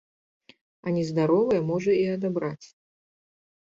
А нездаровае можа і адабраць.